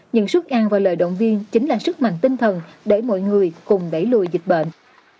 những suất ăn và lời động viên chính là sức mạnh tinh thần để mọi người cùng đẩy lùi dịch bệnh